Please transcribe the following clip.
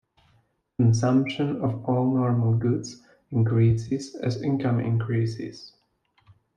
Consumption of all normal goods increases as income increases.